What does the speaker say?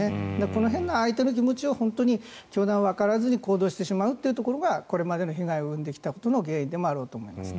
この辺の相手の気持ちを教団はわからずに行動してしまうというところがこれまでの被害を生んできた原因でもあろうと思います。